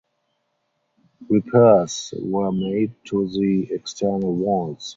Repairs were made to the external walls.